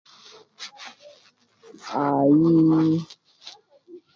Ayii